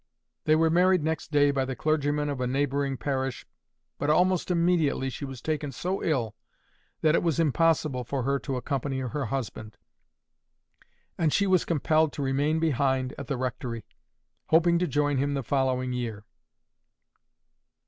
They were married next day by the clergyman of a neighbouring parish. But almost immediately she was taken so ill, that it was impossible for her to accompany her husband, and she was compelled to remain behind at the rectory, hoping to join him the following year.